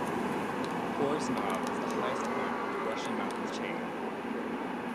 Pores Knob is the highest point of the Brushy Mountains chain.